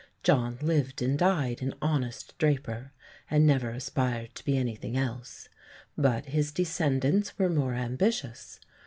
John lived and died an honest draper, and never aspired to be anything else; but his descendants were more ambitious.